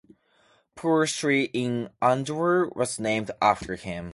Poor Street in Andover was named after him.